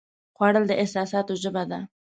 خوړل د احساساتو ژبه ده